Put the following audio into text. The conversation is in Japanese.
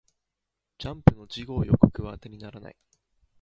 ジャンプの次号予告は当てにならない